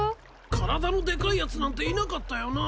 体のでかいやつなんていなかったよな。